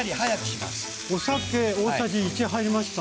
お酒大さじ１入りましたね。